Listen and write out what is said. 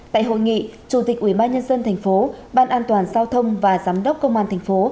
tại hội nghị chủ tịch ubnd tp ban an toàn giao thông và giám đốc công an tp